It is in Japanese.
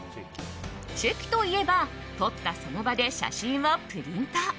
チェキといえば撮ったその場で写真をプリント。